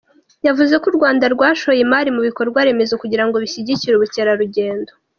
Yavuze ko u Rwanda rwashoye imari mu bikorwa remezo kugira ngo bishyigikire ubukerarugendo.